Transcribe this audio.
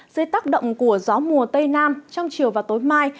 dưới tác động của gió mùa tây nam trong chiều và tối mai